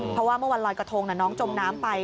เพราะว่าเมื่อวันลอยกระทงน้องจมน้ำไป